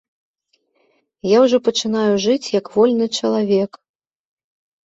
Я ўжо пачынаю жыць як вольны чалавек.